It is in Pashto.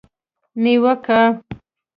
نیوکه